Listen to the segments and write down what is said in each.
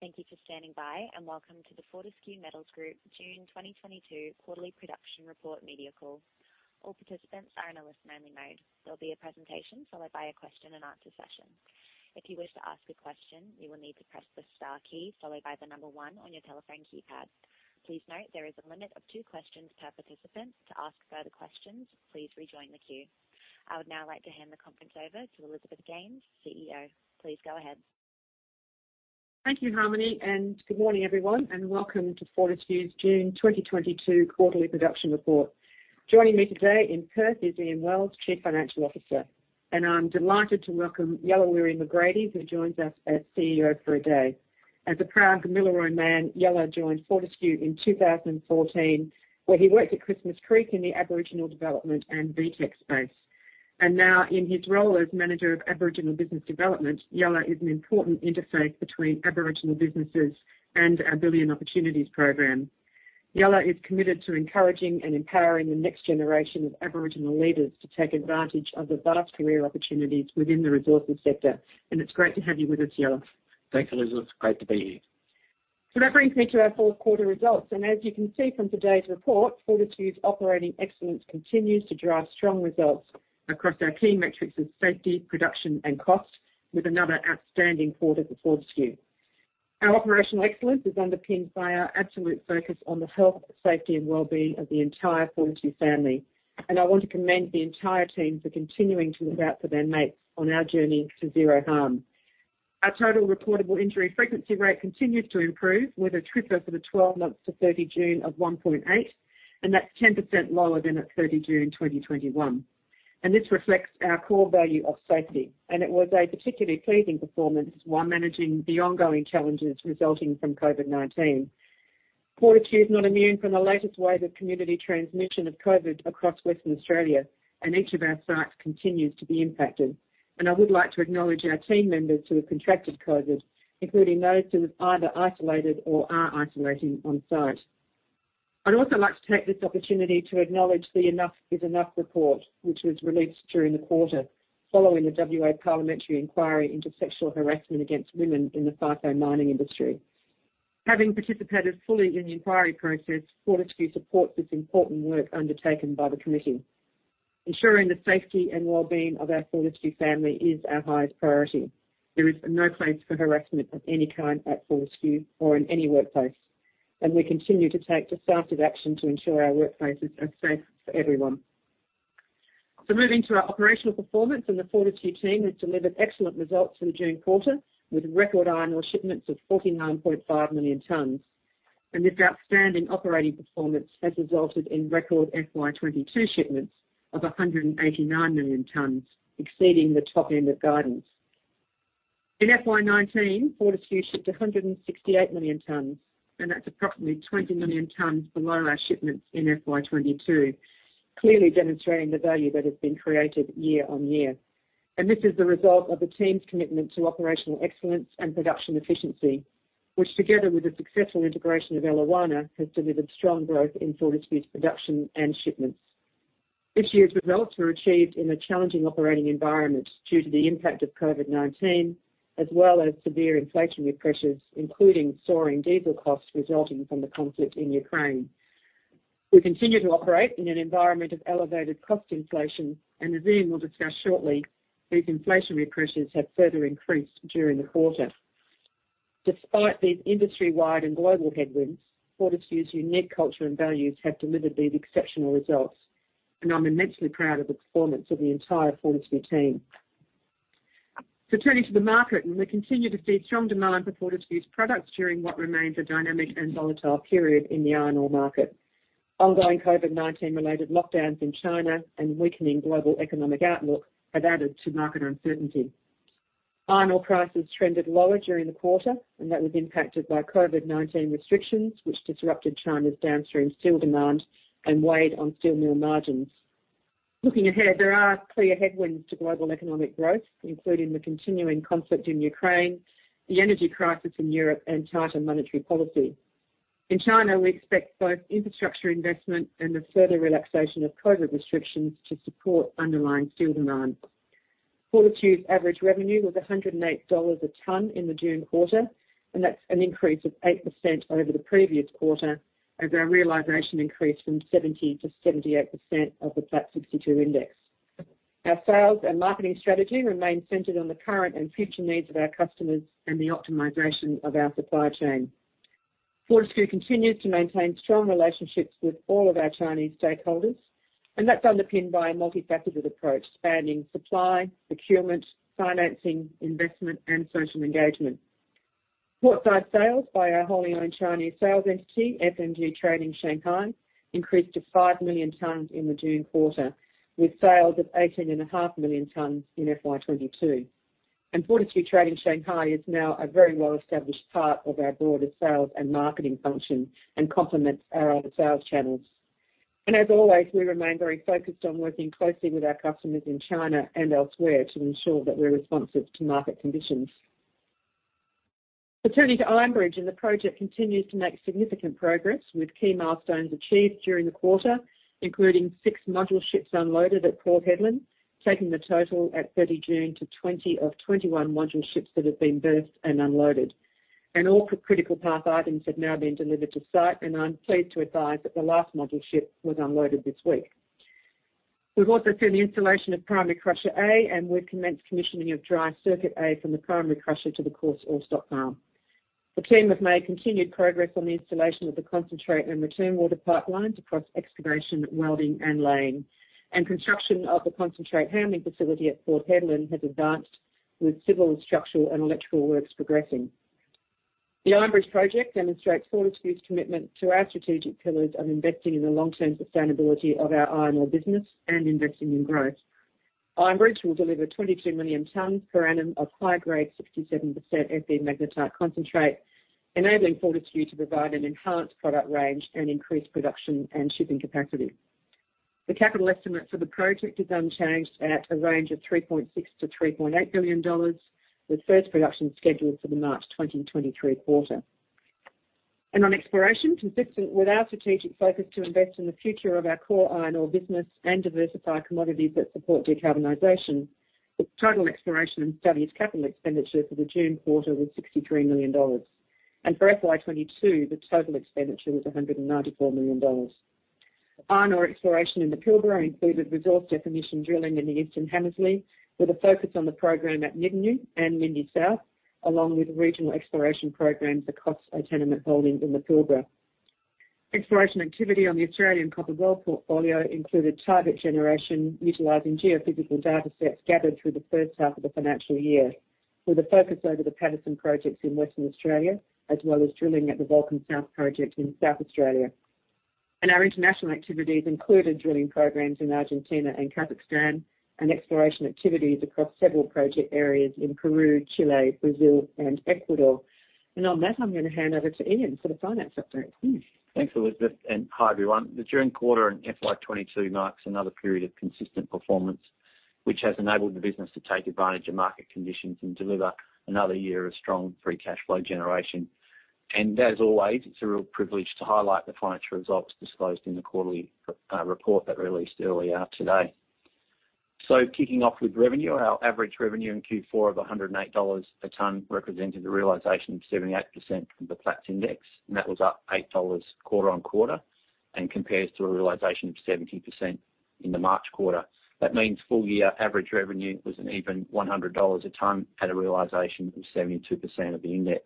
Thank you for standing by, and welcome to the Fortescue Metals Group June 2022 quarterly production report media call. All participants are in a listen-only mode. There'll be a presentation followed by a question-and-answer session. If you wish to ask a question, you will need to press the star key followed by the number one on your telephone keypad. Please note there is a limit of two questions per participant. To ask further questions, please rejoin the queue. I would now like to hand the conference over to Elizabeth Gaines, CEO. Please go ahead. Thank you, Harmony, and good morning, everyone, and welcome to Fortescue's June 2022 quarterly production report. Joining me today in Perth is Ian Wells, Chief Financial Officer, and I'm delighted to welcome Yuluwirri McGrady, who joins us as CEO for a day. As a proud Kamilaroi man, Yuluwirri joined Fortescue in 2014, where he worked at Christmas Creek in the Aboriginal development and VTEC space. Now in his role as manager of Aboriginal business development, Yuluwirri is an important interface between Aboriginal businesses and our Billion Opportunities program. Yuluwirri is committed to encouraging and empowering the next generation of Aboriginal leaders to take advantage of the vast career opportunities within the resources sector. It's great to have you with us, Yuluwirri. Thanks, Elizabeth. Great to be here. That brings me to our fourth quarter results, and as you can see from today's report, Fortescue's operating excellence continues to drive strong results across our key metrics of safety, production and cost with another outstanding quarter for Fortescue. Our operational excellence is underpinned by our absolute focus on the health, safety, and wellbeing of the entire Fortescue family, and I want to commend the entire team for continuing to look out for their mates on our journey to zero harm. Our total reportable injury frequency rate continues to improve, with a TRIFR for the 12 months to 30 June of 1.8%, and that's 10% lower than at 30 June 2021. This reflects our core value of safety, and it was a particularly pleasing performance while managing the ongoing challenges resulting from COVID-19. Fortescue is not immune from the latest wave of community transmission of COVID across Western Australia, and each of our sites continues to be impacted. I would like to acknowledge our team members who have contracted COVID, including those who have either isolated or are isolating on-site. I'd also like to take this opportunity to acknowledge the 'Enough is Enough' report, which was released during the quarter following the WA Parliamentary inquiry into sexual harassment against women in the FIFO mining industry. Having participated fully in the inquiry process, Fortescue supports this important work undertaken by the committee. Ensuring the safety and wellbeing of our Fortescue family is our highest priority. There is no place for harassment of any kind at Fortescue or in any workplace, and we continue to take decisive action to ensure our workplaces are safe for everyone. Moving to our operational performance, the Fortescue team has delivered excellent results for the June quarter, with record iron ore shipments of 49.5 million tons. This outstanding operating performance has resulted in record FY 2022 shipments of 189 million tons, exceeding the top end of guidance. In FY 2019, Fortescue shipped 168 million tons, and that's approximately 20 million tons below our shipments in FY 2022, clearly demonstrating the value that has been created year-on-year. This is the result of the team's commitment to operational excellence and production efficiency, which, together with the successful integration of Eliwana, has delivered strong growth in Fortescue's production and shipments. This year's results were achieved in a challenging operating environment due to the impact of COVID-19, as well as severe inflationary pressures, including soaring diesel costs resulting from the conflict in Ukraine. We continue to operate in an environment of elevated cost inflation and as Ian will discuss shortly, these inflationary pressures have further increased during the quarter. Despite these industry-wide and global headwinds, Fortescue's unique culture and values have delivered these exceptional results, and I'm immensely proud of the performance of the entire Fortescue team. Turning to the market, and we continue to see strong demand for Fortescue's products during what remains a dynamic and volatile period in the iron ore market. Ongoing COVID-19 related lockdowns in China and weakening global economic outlook have added to market uncertainty. Iron ore prices trended lower during the quarter, and that was impacted by COVID-19 restrictions, which disrupted China's downstream steel demand and weighed on steel mill margins. Looking ahead, there are clear headwinds to global economic growth, including the continuing conflict in Ukraine, the energy crisis in Europe, and tighter monetary policy. In China, we expect both infrastructure investment and the further relaxation of COVID restrictions to support underlying steel demand. Fortescue's average revenue was $108 a ton in the June quarter, and that's an increase of 8% over the previous quarter as our realization increased from 70%-78% of the Platts 62 index. Our sales and marketing strategy remain centered on the current and future needs of our customers and the optimization of our supply chain. Fortescue continues to maintain strong relationships with all of our Chinese stakeholders, and that's underpinned by a multifaceted approach spanning supply, procurement, financing, investment, and social engagement. Port side sales by our wholly owned Chinese sales entity, FMG Trading Shanghai, increased to 5 million tons in the June quarter, with sales of 18.5 million tons in FY 2022. Fortescue Trading Shanghai is now a very well-established part of our broader sales and marketing function and complements our other sales channels. As always, we remain very focused on working closely with our customers in China and elsewhere to ensure that we're responsive to market conditions. Turning to Iron Bridge, and the project continues to make significant progress with key milestones achieved during the quarter, including six module ships unloaded at Port Hedland. Taking the total at 30 June to 20 of 21 module ships that have been berthed and unloaded. All the critical path items have now been delivered to site, and I'm pleased to advise that the last module ship was unloaded this week. We've also seen the installation of primary crusher A, and we've commenced commissioning of dry circuit A from the primary crusher to the coarse ore stock pile. The team have made continued progress on the installation of the concentrate and return water pipelines across excavation, welding, and laying. Construction of the concentrate handling facility at Port Hedland has advanced with civil, structural, and electrical works progressing. The Iron Bridge project demonstrates Fortescue's commitment to our strategic pillars of investing in the long-term sustainability of our iron ore business and investing in growth. Iron Bridge will deliver 22 million tons per annum of high-grade 67% Fe magnetite concentrate, enabling Fortescue to provide an enhanced product range and increase production and shipping capacity. The capital estimate for the project is unchanged at a range of $3.6 billion-$3.8 billion, with first production scheduled for the March 2023 quarter. On exploration, consistent with our strategic focus to invest in the future of our core iron ore business and diversify commodities that support decarbonization, the total exploration and studies capital expenditure for the June quarter was $63 million. For FY 2022, the total expenditure was $194 million. Iron ore exploration in the Pilbara included resource definition drilling in the Eastern Hamersley, with a focus on the program at Gnargoo and Lindy South, along with regional exploration programs across our tenement holdings in the Pilbara. Exploration activity on the Australian Copper Belt portfolio included target generation utilizing geophysical data sets gathered through the first half of the financial year, with a focus over the Paterson projects in Western Australia, as well as drilling at the Vulcan South project in South Australia. Our international activities included drilling programs in Argentina and Kazakhstan, and exploration activities across several project areas in Peru, Chile, Brazil, and Ecuador. On that, I'm gonna hand over to Ian for the finance update. Ian. Thanks, Elizabeth, and hi, everyone. The June quarter in FY 2022 marks another period of consistent performance, which has enabled the business to take advantage of market conditions and deliver another year of strong free cash flow generation. As always, it's a real privilege to highlight the financial results disclosed in the quarterly report that released earlier today. Kicking off with revenue, our average revenue in Q4 of $108 a ton represented the realization of 78% from the Platts index, and that was up $8 quarter-on-quarter, and compares to a realization of 17% in the March quarter. That means full year average revenue was an even $100 a ton at a realization of 72% of the index.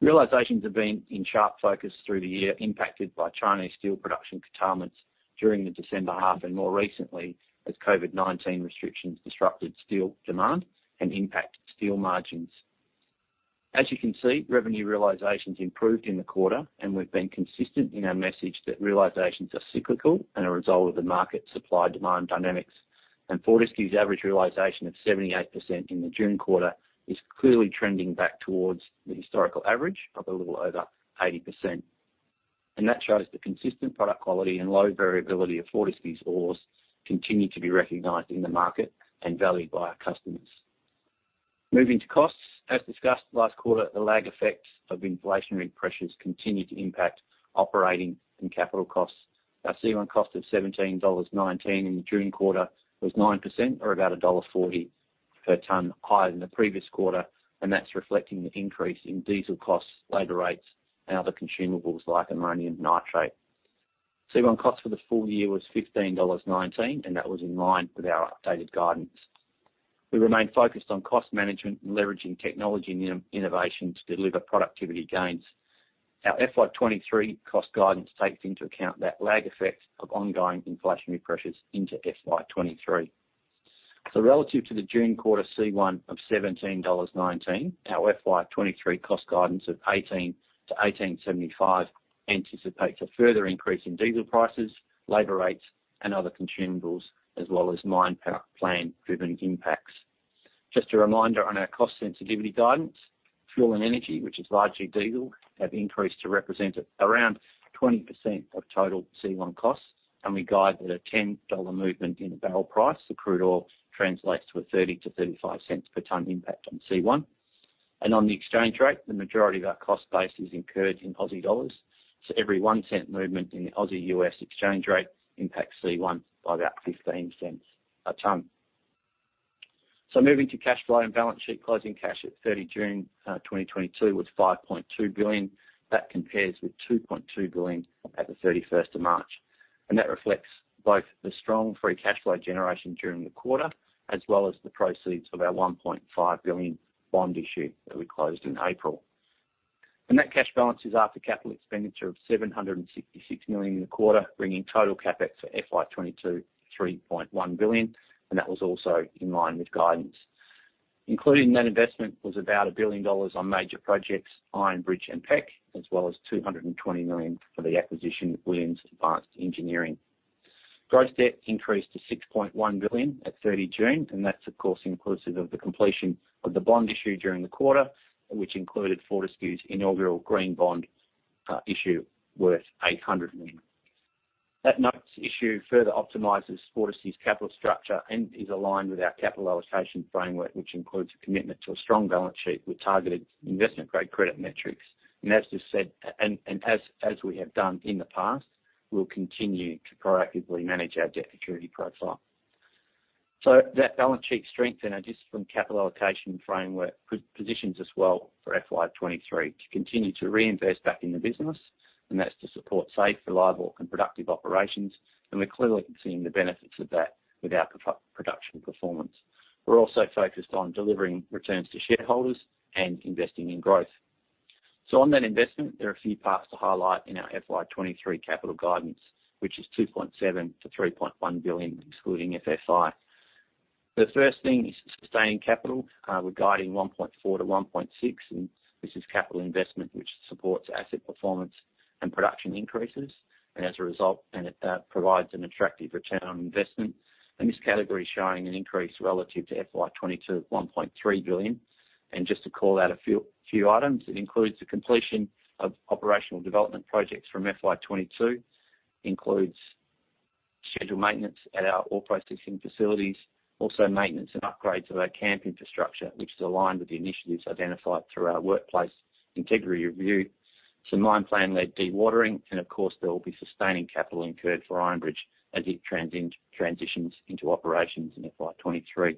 Realizations have been in sharp focus through the year, impacted by Chinese steel production curtailments during the December half and more recently as COVID-19 restrictions disrupted steel demand and impacted steel margins. As you can see, revenue realizations improved in the quarter, and we've been consistent in our message that realizations are cyclical and a result of the market supply-demand dynamics. Fortescue's average realization of 78% in the June quarter is clearly trending back towards the historical average of a little over 80%. That shows the consistent product quality and low variability of Fortescue's ores continue to be recognized in the market and valued by our customers. Moving to costs. As discussed last quarter, the lag effects of inflationary pressures continue to impact operating and capital costs. Our C1 cost of $17.19 in the June quarter was 9% or about $1.40 per ton higher than the previous quarter, and that's reflecting the increase in diesel costs, labor rates, and other consumables like ammonium nitrate. C1 cost for the full year was $15.19, and that was in line with our updated guidance. We remain focused on cost management and leveraging technology and innovation to deliver productivity gains. Our FY 2023 cost guidance takes into account that lag effect of ongoing inflationary pressures into FY 2023. Relative to the June quarter C1 of $17.19, our FY 2023 cost guidance of $18-$18.75 anticipates a further increase in diesel prices, labor rates, and other consumables, as well as mine plan-driven impacts. Just a reminder on our cost sensitivity guidance. Fuel and energy, which is largely diesel, have increased to represent around 20% of total C1 costs, and we guide that a $10 movement in the barrel price of crude oil translates to a 0.30-0.35 per ton impact on C1. On the exchange rate, the majority of our cost base is incurred in Aussie dollars. Every $0.01 cent movement in the Aussie/U.S. exchange rate impacts C1 by about 0.15 a ton. Moving to cash flow and balance sheet. Closing cash at 30 June 2022 was 5.2 billion. That compares with 2.2 billion at the 31st of March. That reflects both the strong free cash flow generation during the quarter, as well as the proceeds of our 1.5 billion bond issue that we closed in April. That cash balance is after capital expenditure of 766 million in the quarter, bringing total CapEx for FY 2022 3.1 billion, and that was also in line with guidance. Included in that investment was about 1 billion dollars on major projects, Iron Bridge and PEC, as well as 220 million for the acquisition of Williams Advanced Engineering. Gross debt increased to 6.1 billion at 30 June, and that's of course inclusive of the completion of the bond issue during the quarter, which included Fortescue's inaugural green bond issue worth 800 million. That notes issue further optimizes Fortescue's capital structure and is aligned with our capital allocation framework, which includes a commitment to a strong balance sheet with targeted investment-grade credit metrics. As we have done in the past, we'll continue to proactively manage our debt security profile. That balance sheet strength and our disciplined capital allocation framework positions us well for FY 2023 to continue to reinvest back in the business, and that's to support safe, reliable, and productive operations. We're clearly seeing the benefits of that with our production performance. We're also focused on delivering returns to shareholders and investing in growth. On that investment, there are a few parts to highlight in our FY 2023 capital guidance, which is 2.7 billion-3.1 billion, excluding FFI. The first thing is sustaining capital. We're guiding 1.4 billion-1.6 billion, and this is capital investment which supports asset performance and production increases, and as a result, it provides an attractive return on investment. This category is showing an increase relative to FY 2022, 1.3 billion. Just to call out a few items, it includes the completion of operational development projects from FY 2022, includes scheduled maintenance at our ore processing facilities, also maintenance and upgrades of our camp infrastructure, which is aligned with the initiatives identified through our workplace integrity review, some mine plan-led dewatering, and of course, there will be sustaining capital incurred for Iron Bridge as it transitions into operations in FY 2023.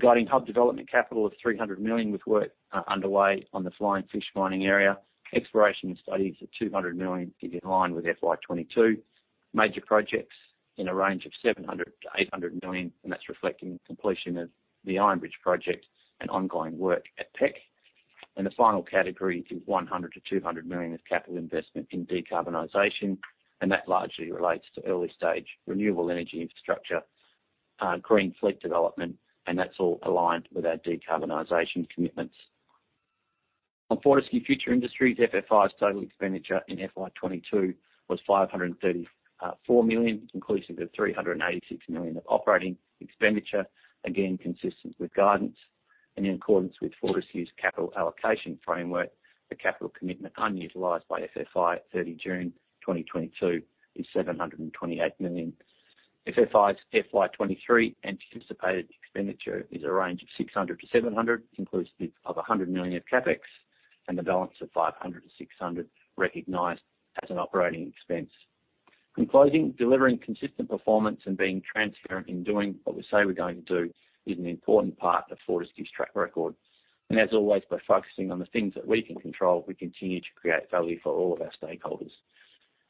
Guiding hub development capital of 300 million, with work underway on the Flying Fish mining area. Exploration studies of 200 million is in line with FY 2022. Major projects in a range of 700 million-800 million, and that's reflecting completion of the Iron Bridge project and ongoing work at PEC. The final category is 100 million-200 million of capital investment in decarbonization, and that largely relates to early-stage renewable energy infrastructure, green fleet development, and that's all aligned with our decarbonization commitments. On Fortescue Future Industries, FFI's total expenditure in FY 2022 was 534 million, inclusive of 386 million of operating expenditure, again, consistent with guidance. In accordance with Fortescue's capital allocation framework, the capital commitment unutilized by FFI at 30 June 2022 is 728 million. FFI's FY 2023 anticipated expenditure is a range of 600 million-700 million, inclusive of 100 million of CapEx, and the balance of 500 million-600 million recognized as an operating expense. In closing, delivering consistent performance and being transparent in doing what we say we're going to do is an important part of Fortescue's track record. As always, by focusing on the things that we can control, we continue to create value for all of our stakeholders.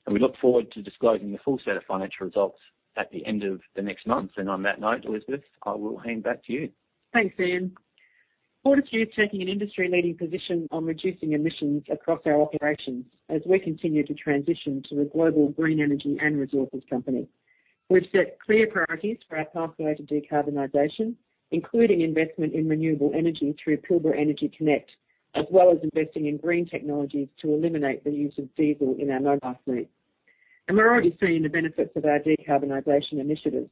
We look forward to disclosing the full set of financial results at the end of the next month. On that note, Elizabeth, I will hand back to you. Thanks, Ian. Fortescue is taking an industry-leading position on reducing emissions across our operations as we continue to transition to a global green energy and resources company. We've set clear priorities for our pathway to decarbonization, including investment in renewable energy through Pilbara Energy Connect, as well as investing in green technologies to eliminate the use of diesel in our mobile fleet. We're already seeing the benefits of our decarbonization initiatives,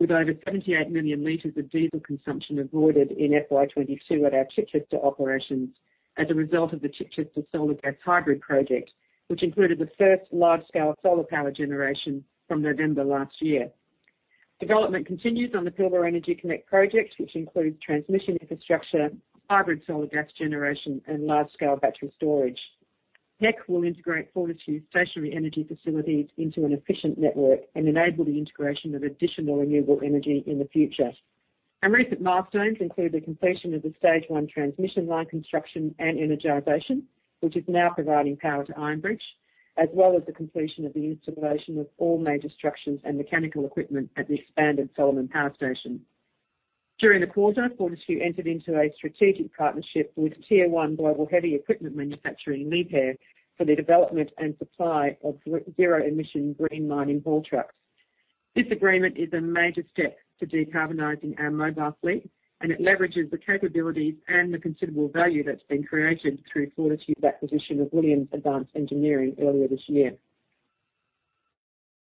with over 78 million liter of diesel consumption avoided in FY 2022 at our Chichester operations as a result of the Chichester Solar Gas Hybrid Project, which included the first large-scale solar power generation from November last year. Development continues on the Pilbara Energy Connect Project, which includes transmission infrastructure, hybrid solar gas generation, and large-scale battery storage. PEC will integrate Fortescue's stationary energy facilities into an efficient network and enable the integration of additional renewable energy in the future. Recent milestones include the completion of the stage one transmission line construction and energization, which is now providing power to Iron Bridge, as well as the completion of the installation of all major structures and mechanical equipment at the expanded Solomon Power Station. During the quarter, Fortescue entered into a strategic partnership with Tier One global heavy equipment manufacturer Liebherr for the development and supply of zero-emission green mining haul trucks. This agreement is a major step to decarbonizing our mobile fleet, and it leverages the capabilities and the considerable value that's been created through Fortescue's acquisition of Williams Advanced Engineering earlier this year.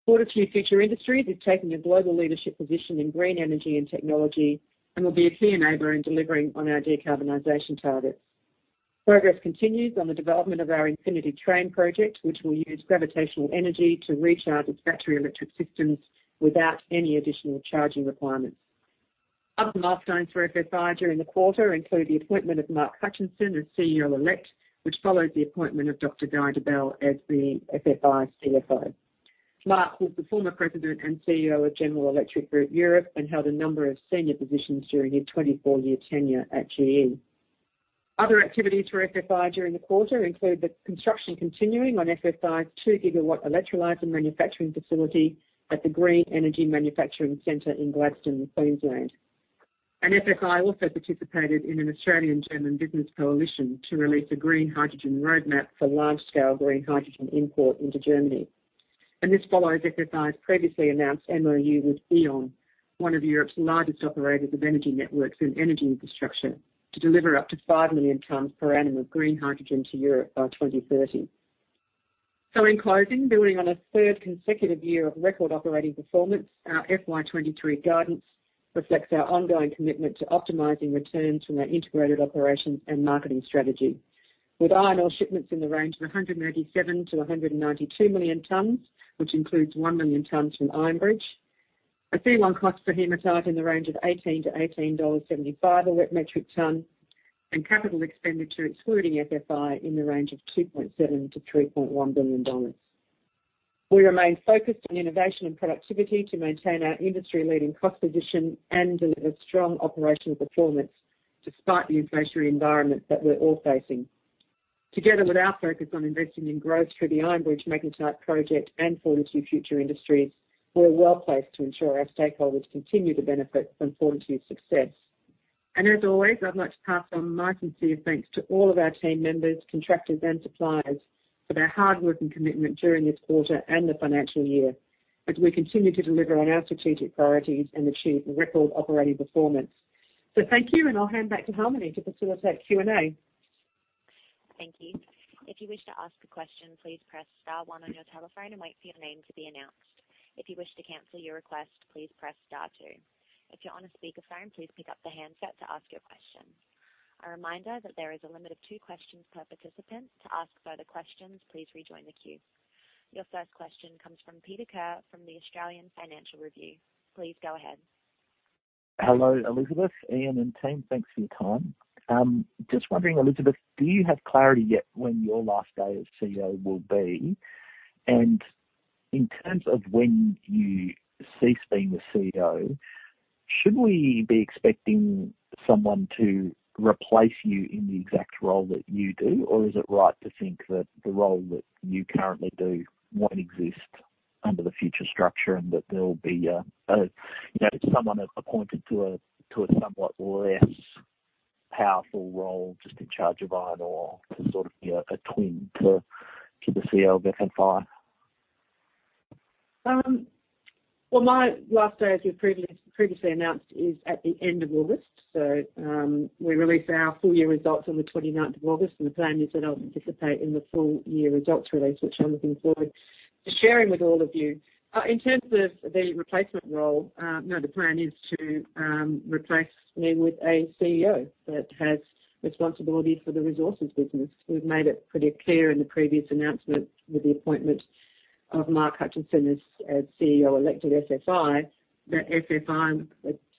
Fortescue Future Industries is taking a global leadership position in green energy and technology and will be a key enabler in delivering on our decarbonization targets. Progress continues on the development of our Infinity Train project, which will use gravitational energy to recharge its battery electric systems without any additional charging requirements. Other milestones for FFI during the quarter include the appointment of Mark Hutchinson as CEO-elect, which followed the appointment of Dr. Guy Debelle as the FFI CFO. Mark was the former president and CEO of General Electric Group Europe and held a number of senior positions during his 24-year tenure at GE. Other activities for FFI during the quarter include the construction continuing on FFI's 2 GW electrolyzer manufacturing facility at the Green Energy Manufacturing Center in Gladstone, Queensland. FFI also participated in an Australian-German business coalition to release a green hydrogen roadmap for large-scale green hydrogen import into Germany. This follows FFI's previously announced MOU with E.ON, one of Europe's largest operators of energy networks and energy infrastructure, to deliver up to 5 million tons per annum of green hydrogen to Europe by 2030. In closing, building on a third consecutive year of record operating performance, our FY 2023 guidance reflects our ongoing commitment to optimizing returns from our integrated operations and marketing strategy. With iron ore shipments in the range of 197 million-192 million tons, which includes 1 million tons from Iron Bridge, a C1 cost for hematite in the range of $18-$18.75 a wet metric ton, and capital expenditure excluding FFI in the range of $2.7 billion-$3.1 billion. We remain focused on innovation and productivity to maintain our industry-leading cost position and deliver strong operational performance despite the inflationary environment that we're all facing. Together with our focus on investing in growth through the Iron Bridge Magnetite project and Fortescue Future Industries, we're well-placed to ensure our stakeholders continue to benefit from Fortescue's success. As always, I'd like to pass on my sincere thanks to all of our team members, contractors, and suppliers for their hard work and commitment during this quarter and the financial year as we continue to deliver on our strategic priorities and achieve record operating performance. Thank you, and I'll hand back to Harmony to facilitate Q&A. Thank you. If you wish to ask a question, please press star one on your telephone and wait for your name to be announced. If you wish to cancel your request, please press star two. If you're on a speakerphone, please pick up the handset to ask your question. A reminder that there is a limit of two questions per participant. To ask further questions, please rejoin the queue. Your first question comes from Peter Ker from The Australian Financial Review. Please go ahead. Hello, Elizabeth, Ian, and team. Thanks for your time. Just wondering, Elizabeth, do you have clarity yet when your last day as CEO will be? In terms of when you cease being the CEO, should we be expecting someone to replace you in the exact role that you do? Or is it right to think that the role that you currently do won't exist under the future structure and that there'll be a, you know, someone appointed to a somewhat less powerful role, just in charge of iron ore to sort of be a twin to the CEO of FFI? Well, my last day, as we've previously announced, is at the end of August. We release our full year results on the 29th of August, and the plan is that I'll participate in the full year results release, which I'm looking forward to sharing with all of you. In terms of the replacement role, no, the plan is to replace me with a CEO that has responsibility for the resources business. We've made it pretty clear in the previous announcement with the appointment of Mark Hutchinson as CEO elect of FFI, that FFI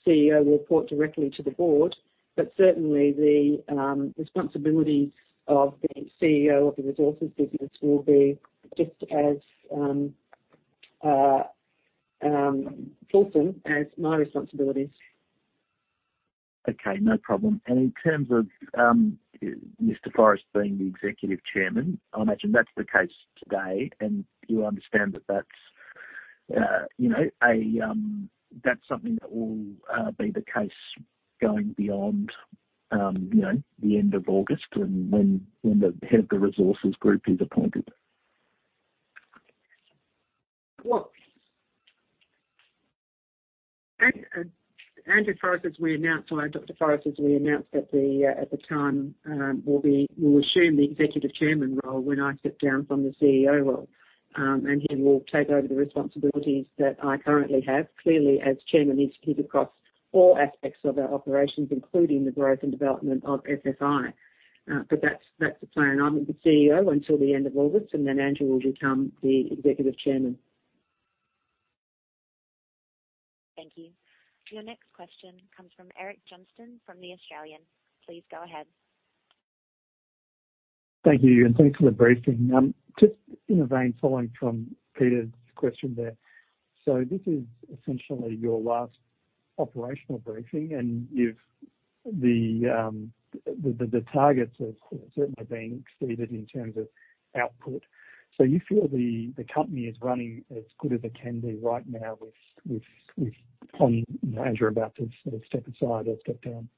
CEO will report directly to the Board. Certainly the responsibilities of the CEO of the resources business will be just as fulsome as my responsibilities. Okay, no problem. In terms of Mr. Forrest being the Executive Chairman, I imagine that's the case today, and you understand that that's, you know, that's something that will be the case going beyond, you know, the end of August and when the head of the resources group is appointed. Well, Andrew Forrest, as we announced—or Dr. Forrest, as we announced at the time, will assume the executive chairman role when I step down from the CEO role. He will take over the responsibilities that I currently have. Clearly, as chairman, he's keeping across all aspects of our operations, including the growth and development of FFI. That's the plan. I'm the CEO until the end of August, and then Andrew will become the Executive Chairman. Thank you. Your next question comes from Eric Johnston from The Australian. Please go ahead. Thank you, and thanks for the briefing. Just in the same vein following from Peter's question there. This is essentially your last operational briefing, and the targets have certainly been exceeded in terms of output. You feel the company is running as good as it can be right now with Andrew about to sort of step aside or step down?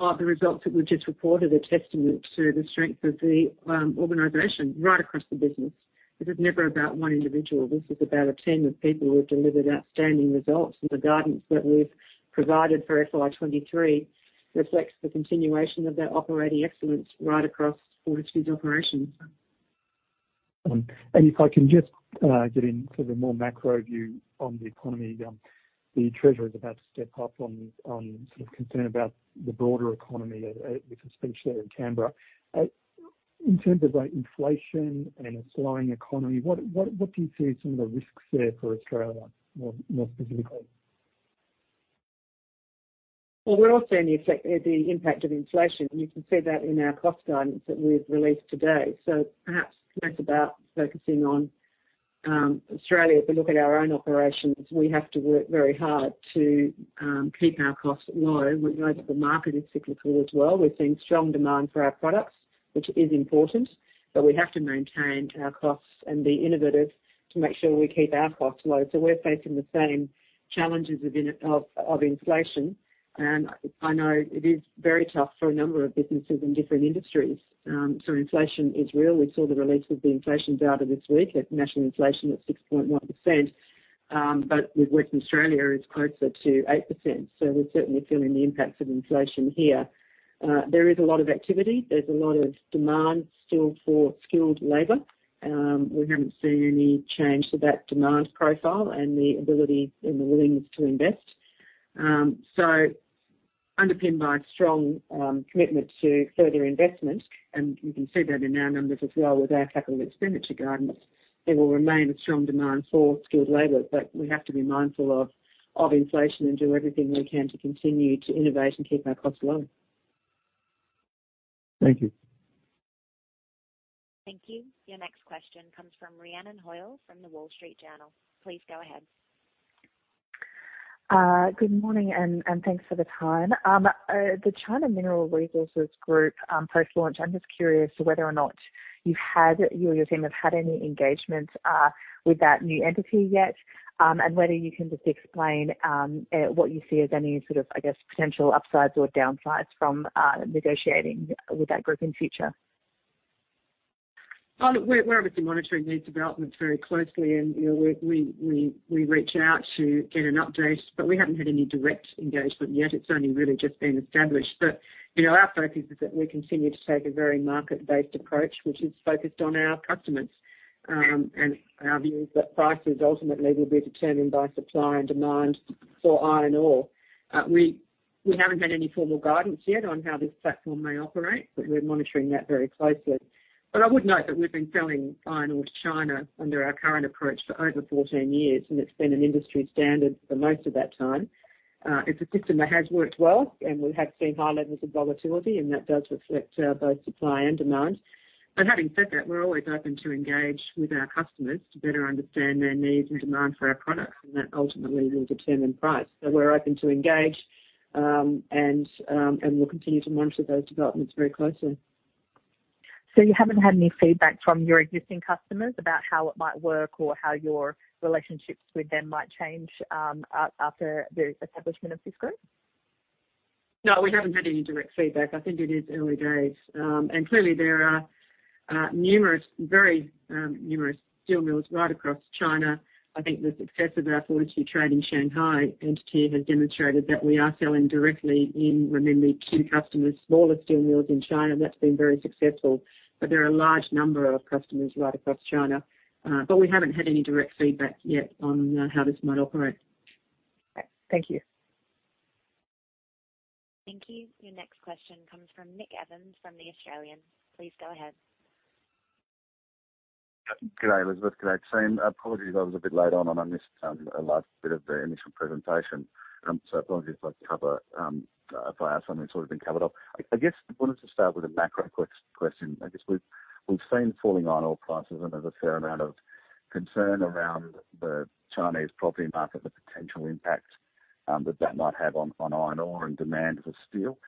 The results that we just reported are a testament to the strength of the organization right across the business. This is never about one individual. This is about a team of people who have delivered outstanding results. The guidance that we've provided for FY 2023 reflects the continuation of that operating excellence right across Fortescue's operations. If I can just get in sort of a more macro view on the economy. The Treasurer is about to step up on sort of concern about the broader economy with his speech there in Canberra. In terms of, like, inflation and a slowing economy, what do you see some of the risks there for Australia more specifically? We're all feeling the impact of inflation, and you can see that in our cost guidance that we've released today. Perhaps less about focusing on Australia, but look at our own operations. We have to work very hard to keep our costs low. We know that the market is cyclical as well. We're seeing strong demand for our products, which is important, but we have to maintain our costs and be innovative to make sure we keep our costs low. We're facing the same challenges of inflation. I know it is very tough for a number of businesses in different industries. Inflation is real. We saw the release of the inflation data this week at national inflation at 6.1%. With Western Australia, it's closer to 8%, so we're certainly feeling the impacts of inflation here. There is a lot of activity. There's a lot of demand still for skilled labor. We haven't seen any change to that demand profile and the ability and the willingness to invest. Underpinned by a strong commitment to further investment, and you can see that in our numbers as well with our capital expenditure guidance, there will remain a strong demand for skilled labor. We have to be mindful of inflation and do everything we can to continue to innovate and keep our costs low. Thank you. Thank you. Your next question comes from Rhiannon Hoyle from The Wall Street Journal. Please go ahead. Good morning, and thanks for the time. The China Mineral Resources Group, post-launch, I'm just curious whether or not you or your team have had any engagement with that new entity yet, and whether you can just explain what you see as any sort of, I guess, potential upsides or downsides from negotiating with that group in future. Well, we're obviously monitoring these developments very closely and, you know, we reach out to get an update, but we haven't had any direct engagement yet. It's only really just been established. You know, our focus is that we continue to take a very market-based approach, which is focused on our customers. Our view is that prices ultimately will be determined by supply and demand for iron ore. We haven't had any formal guidance yet on how this platform may operate, but we're monitoring that very closely. I would note that we've been selling iron ore to China under our current approach for over 14 years, and it's been an industry standard for most of that time. It's a system that has worked well, and we have seen high levels of volatility, and that does reflect both supply and demand. Having said that, we're always open to engage with our customers to better understand their needs and demand for our product, and that ultimately will determine price. We're open to engage, and we'll continue to monitor those developments very closely. You haven't had any feedback from your existing customers about how it might work or how your relationships with them might change, after the establishment of this group? No, we haven't had any direct feedback. I think it is early days. Clearly, there are very numerous steel mills right across China. I think the success of our Fortescue Trading Shanghai entity in Shanghai has demonstrated that we are selling directly to key customers, smaller steel mills in China, and that's been very successful. There are a large number of customers right across China, but we haven't had any direct feedback yet on how this might operate. Thank you. Thank you. Your next question comes from Nick Evans from The Australian. Please go ahead. G'day, Elizabeth. G'day, team. Apologies, I was a bit late on, and I missed a large bit of the initial presentation. So apologies if I ask something that's already been covered up. I guess I wanted to start with a macro question. I guess we've seen falling iron ore prices, and there's a fair amount of concern around the Chinese property market, the potential impact that might have on iron ore and demand for steel.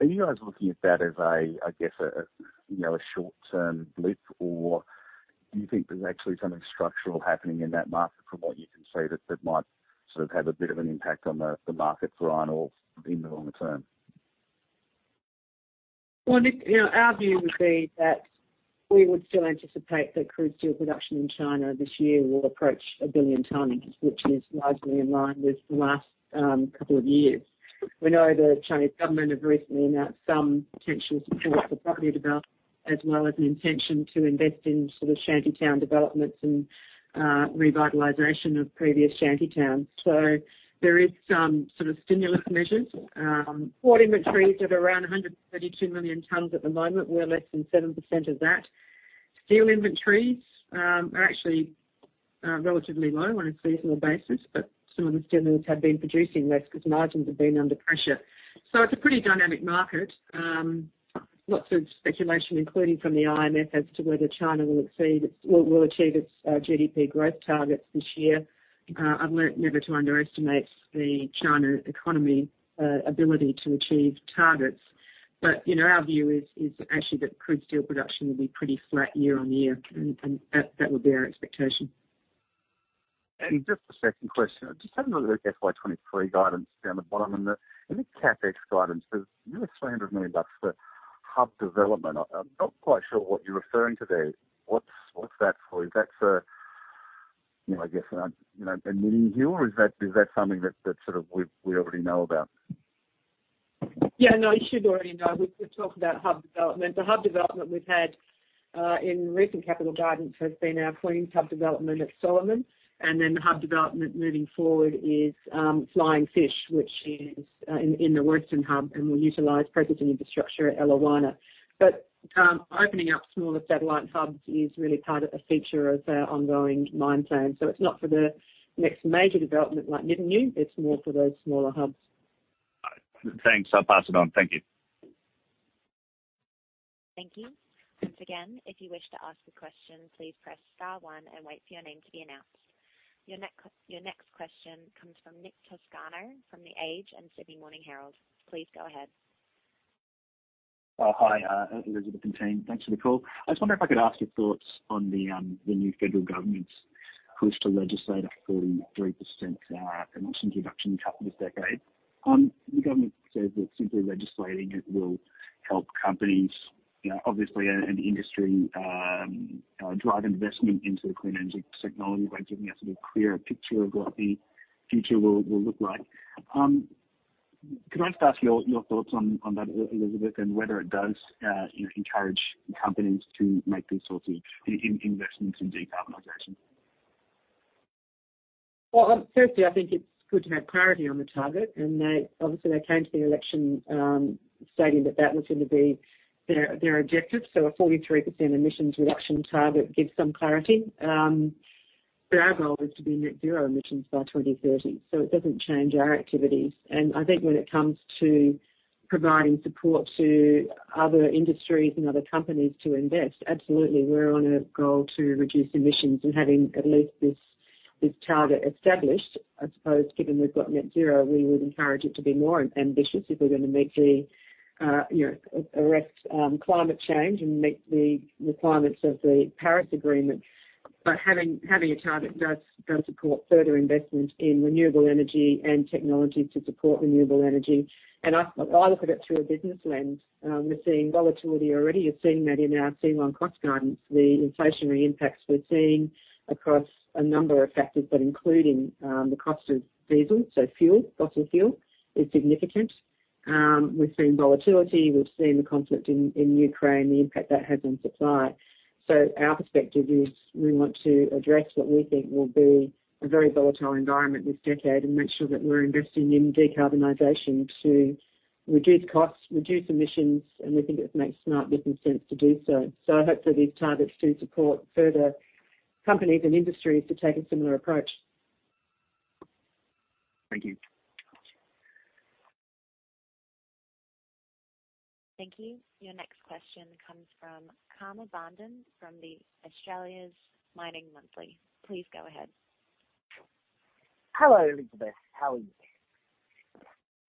Are you guys looking at that as a, I guess, a, you know, a short-term blip or do you think there's actually something structural happening in that market from what you can see that might sort of have a bit of an impact on the market for iron ore in the longer term? Well, Nick, you know, our view would be that we would still anticipate that crude steel production in China this year will approach 1 billion tons, which is largely in line with the last couple of years. We know the Chinese government have recently announced some potential support for property development, as well as an intention to invest in sort of shanty town developments and revitalization of previous shanty towns. There is some sort of stimulus measures. Port inventories at around 132 million tons at the moment. We're less than 7% of that. Steel inventories are actually relatively low on a seasonal basis, but some of the steel mills have been producing less 'cause margins have been under pressure. It's a pretty dynamic market. Lots of speculation, including from the IMF, as to whether China will achieve its GDP growth targets this year. I've learned never to underestimate the Chinese economy's ability to achieve targets. But, you know, our view is actually that crude steel production will be pretty flat year-on-year, and that would be our expectation. Just a second question. Just having a look at FY 2023 guidance down the bottom and in the CapEx guidance, there's nearly AUD 300 million for hub development. I'm not quite sure what you're referring to there. What's that for? Is that for, you know, I guess, you know, a new hill or is that something that sort of we already know about? Yeah, no, you should already know. We've talked about hub development. The hub development we've had in recent capital guidance has been our Queens Valley development at Solomon. Then the hub development moving forward is Flying Fish, which is in the Western hub and will utilize processing infrastructure at Eliwana. Opening up smaller satellite hubs is really part of a feature of our ongoing mine plan. It's not for the next major development like Nyidinghu. It's more for those smaller hubs. Thanks. I'll pass it on. Thank you. Thank you. Once again, if you wish to ask a question, please press star one and wait for your name to be announced. Your next question comes from Nick Toscano from The Age and The Sydney Morning Herald. Please go ahead. Hi, Elizabeth and team. Thanks for the call. I was wondering if I could ask your thoughts on the new federal government's push to legislate a 43% emission reduction cut this decade. The government says that simply legislating it will help companies, you know, obviously, and industry drive investment into clean energy technology by giving a sort of clearer picture of what the future will look like. Can I just ask your thoughts on that, Elizabeth, and whether it does, you know, encourage companies to make these sorts of investments in decarbonization? Well, firstly, I think it's good to have priority on the target, and they obviously came to the election, stating that was going to be their objectives. 43% emissions reduction target gives some clarity. Their goal is to be net zero emissions by 2030. It doesn't change our activities. I think when it comes to providing support to other industries and other companies to invest, absolutely, we're on a goal to reduce emissions and having at least this target established, I suppose, given we've got net zero, we would encourage it to be more ambitious if we're gonna make the you know arrest climate change and meet the requirements of the Paris Agreement. Having a target does support further investment in renewable energy and technology to support renewable energy. I look at it through a business lens. We're seeing volatility already. You're seeing that in our C1 cost guidance. The inflationary impacts we're seeing across a number of factors, but including the cost of diesel, so fuel, fossil fuel is significant. We've seen volatility, we've seen the conflict in Ukraine, the impact that has on supply. Our perspective is we want to address what we think will be a very volatile environment this decade and make sure that we're investing in decarbonization to reduce costs, reduce emissions, and we think it makes smart business sense to do so. I hope that these targets do support further companies and industries to take a similar approach. Thank you. Thank you. Your next question comes from Karma Barndon from Australia's Mining Monthly. Please go ahead. Hello, Elizabeth. How are you?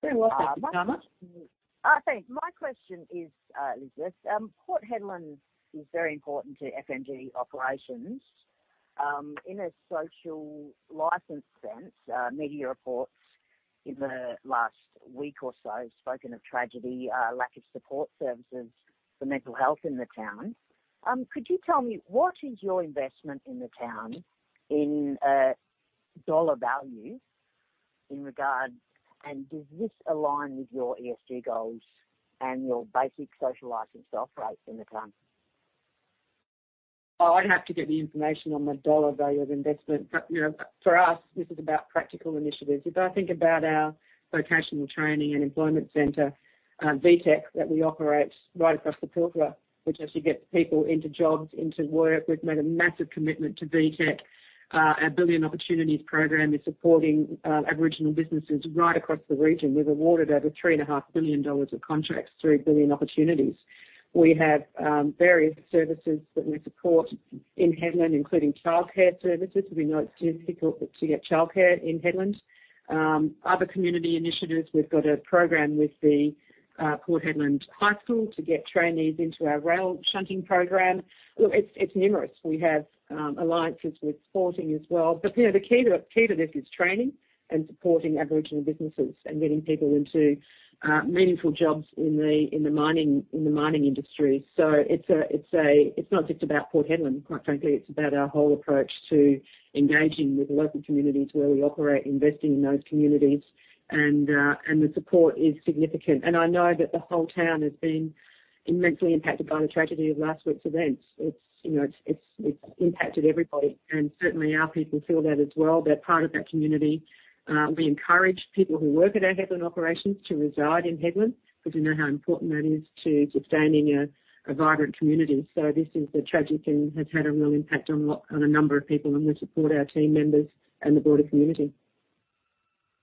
Very well, thank you, Karma. Thanks. My question is, Elizabeth, Port Hedland is very important to FMG operations. In a social license sense, media reports in the last week or so have spoken of tragedy, lack of support services for mental health in the town. Could you tell me, what is your investment in the town in dollar value in regards, and does this align with your ESG goals and your basic social license to operate in the town? Oh, I'd have to get the information on the AUD value of investment. You know, for us, this is about practical initiatives. If I think about our vocational training and employment center, VTEC, that we operate right across the Pilbara, which actually gets people into jobs, into work. We've made a massive commitment to VTEC. Our Billion Opportunities program is supporting Aboriginal businesses right across the region. We've awarded over 3.5 billion dollars of contracts through Billion Opportunities. We have various services that we support in Hedland, including childcare services. We know it's difficult to get childcare in Hedland. Other community initiatives, we've got a program with the Hedland Senior High School to get trainees into our rail shunting program. Look, it's numerous. We have alliances with sporting as well. You know, the key to this is training and supporting Aboriginal businesses and getting people into meaningful jobs in the mining industry. It's not just about Port Hedland, quite frankly. It's about our whole approach to engaging with the local communities where we operate, investing in those communities. The support is significant. I know that the whole town has been immensely impacted by the tragedy of last week's events. It's impacted everybody, and certainly our people feel that as well. They're part of that community. We encourage people who work at our Hedland operations to reside in Hedland because we know how important that is to sustaining a vibrant community. This is a tragic thing. It has had a real impact on a number of people, and we support our team members and the broader community.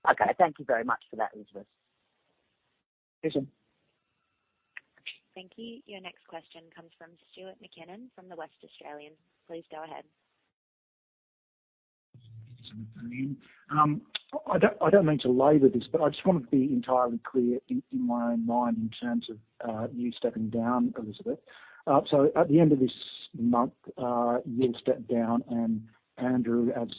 Okay. Thank you very much for that, Elizabeth. Pleasure. Thank you. Your next question comes from Stuart McKinnon from The West Australian. Please go ahead. Just letting you in. I don't mean to labor this, but I just wanna be entirely clear in my own mind in terms of you stepping down, Elizabeth. So at the end of this month, you'll step down and Andrew, as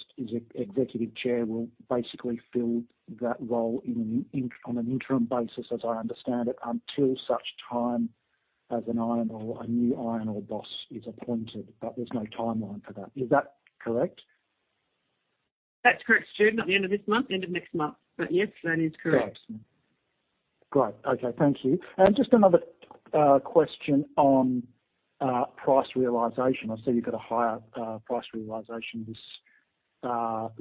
Executive Chairman, will basically fill that role on an interim basis, as I understand it, until such time as a new iron ore boss is appointed. There's no timeline for that. Is that correct? That's correct, Stuart. Not the end of this month, end of next month. Yes, that is correct. Great. Okay. Thank you. Just another question on price realization. I see you've got a higher price realization this quarter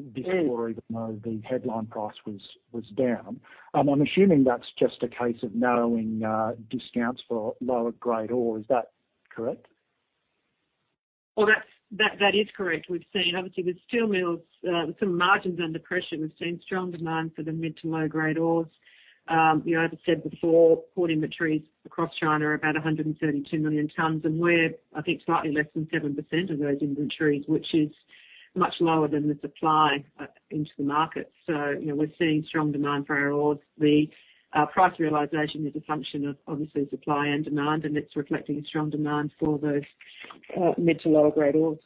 even though the headline price was down. I'm assuming that's just a case of narrowing discounts for lower-grade ore. Is that correct? That is correct. We've seen obviously with steel mills, some margins under pressure. We've seen strong demand for the mid- to low-grade ores. You know, as I said before, port inventories across China are about 132 million tons, and we're, I think, slightly less than 7% of those inventories, which is much lower than the supply into the market. You know, we're seeing strong demand for our ores. The price realization is a function of obviously supply and demand, and it's reflecting a strong demand for those mid- to lower-grade ores.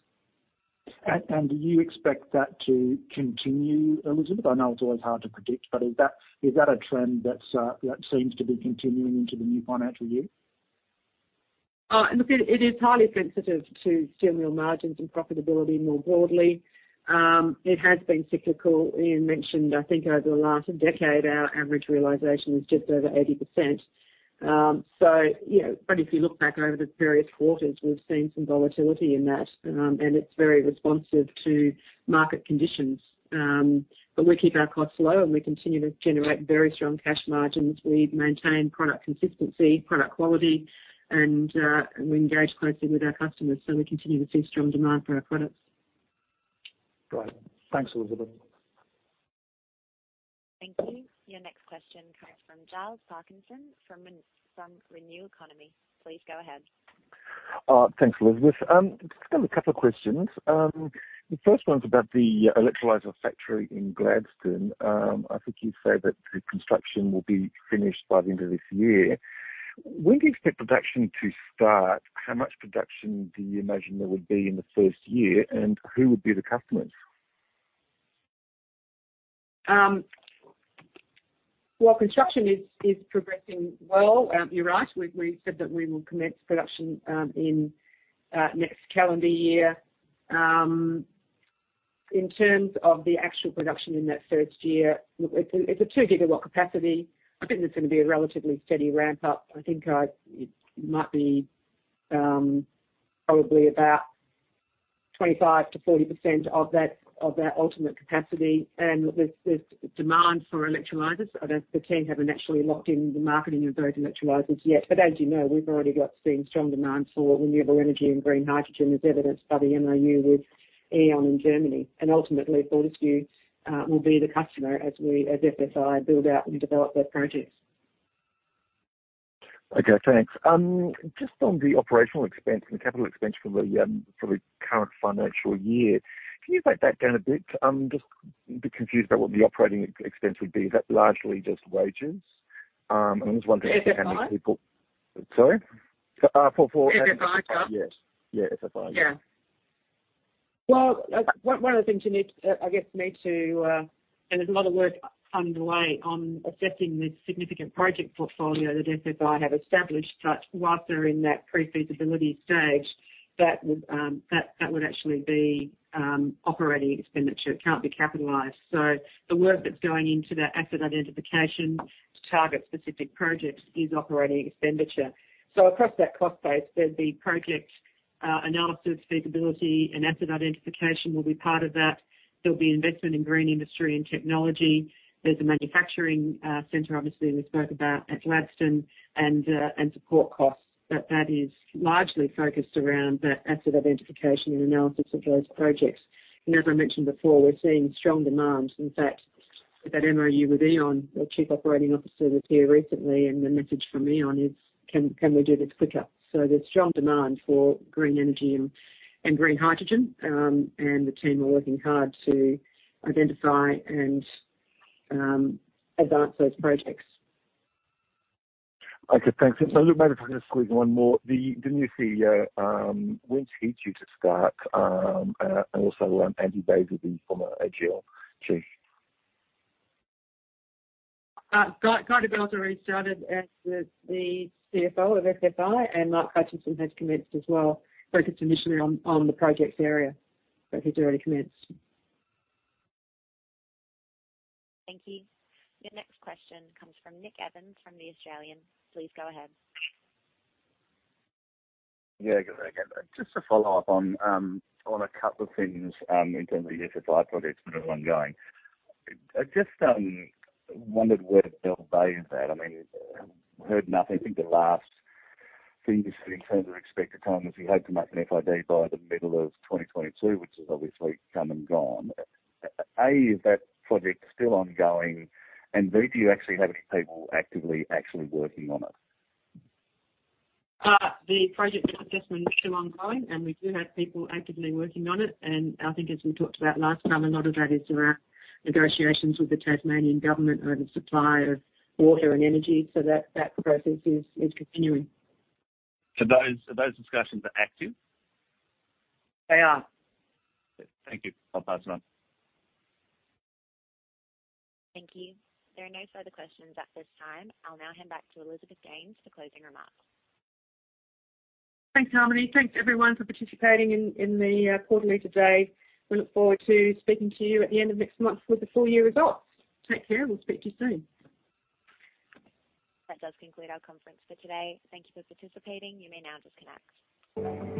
Do you expect that to continue, Elizabeth? I know it's always hard to predict, but is that a trend that's that seems to be continuing into the new financial year? Oh, look, it is highly sensitive to steel mill margins and profitability more broadly. It has been cyclical. Ian mentioned, I think over the last decade, our average realization was just over 80%. You know, if you look back over the various quarters, we've seen some volatility in that, and it's very responsive to market conditions. We keep our costs low, and we continue to generate very strong cash margins. We maintain product consistency, product quality, and we engage closely with our customers, so we continue to see strong demand for our products. Great. Thanks, Elizabeth. Thank you. Your next question comes from Giles Parkinson from RenewEconomy. Please go ahead. Thanks, Elizabeth. Just got a couple of questions. The first one's about the electrolyzer factory in Gladstone. I think you said that the construction will be finished by the end of this year. When do you expect production to start? How much production do you imagine there would be in the first year, and who would be the customers? Well, construction is progressing well. You're right. We've said that we will commence production in next calendar year. In terms of the actual production in that first year, look, it's a 2 GW capacity. I think there's gonna be a relatively steady ramp up. I think it might be probably about 25%-40% of our ultimate capacity. There's demand for electrolyzers. The team haven't actually locked in the marketing of those electrolyzers yet. As you know, we've already seen strong demand for renewable energy and green hydrogen, as evidenced by the MOU with E.ON in Germany. Ultimately, Fortescue will be the customer as FFI build out and develop those projects. Okay, thanks. Just on the OpEx and CapEx for the current financial year, can you break that down a bit? I'm just a bit confused about what the operating expense would be. Is that largely just wages? I'm just wondering how many people- FFI? Sorry. FFI. Got. Yes. Yeah, FFI. Yeah. Well, one of the things you need to, I guess need to. There's a lot of work underway on assessing the significant project portfolio that FFI have established. Whilst they're in that pre-feasibility stage, that would actually be operating expenditure. It can't be capitalized. The work that's going into that asset identification to target specific projects is operating expenditure. Across that cost base, there'd be project analysis, feasibility, and asset identification will be part of that. There'll be investment in green industry and technology. There's a manufacturing center obviously we spoke about at Gladstone and support costs. That is largely focused around that asset identification and analysis of those projects. As I mentioned before, we're seeing strong demand. In fact, with that MOU with E.ON, the chief operating officer was here recently, and the message from E.ON is, "Can we do this quicker?" There's strong demand for green energy and green hydrogen, and the team are working hard to identify and advance those projects. Okay, thanks. Look, maybe if I can just squeeze one more. The new CEO, when is he due to start, and also, Brett Redman, the former AGL chief? Guy Debelle's already started as the CFO of FFI, and Mark Hutchinson has commenced as well, focused initially on the projects area. He's already commenced. Thank you. Your next question comes from Nick Evans from The Australian. Please go ahead. Yeah, good day again. Just to follow up on a couple of things in terms of FFI projects that are ongoing. I just wondered where Bell Bay is at. I mean, heard nothing. I think the last thing you said in terms of expected time was you hoped to make an FID by the middle of 2022, which has obviously come and gone. A, is that project still ongoing? And B, do you actually have any people actively actually working on it? The project is definitely still ongoing, and we do have people actively working on it. I think as we talked about last time, a lot of that is around negotiations with the Tasmanian Government around the supply of water and energy. That process is continuing. Those discussions are active? They are. Thank you. I'll pass them on. Thank you. There are no further questions at this time. I'll now hand back to Elizabeth Gaines for closing remarks. Thanks, Harmony. Thanks, everyone for participating in the quarterly today. We look forward to speaking to you at the end of next month with the full year results. Take care, and we'll speak to you soon. That does conclude our conference for today. Thank you for participating. You may now disconnect.